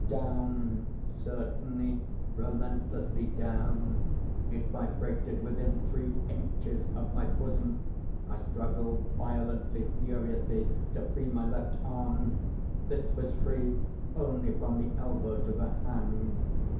Down—certainly, relentlessly down! It vibrated within three inches of my bosom! I struggled violently, furiously, to free my left arm. This was free only from the elbow to the hand.